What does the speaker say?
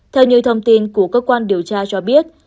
theo như thông tin của cơ quan điều tra cho biết